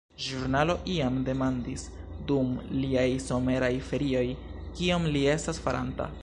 Ĵurnalo iam demandis, dum liaj someraj ferioj, kion li estas faranta.